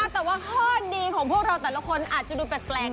แต่ว่าข้อดีของพวกเราแต่ละคนอาจจะดูแปลก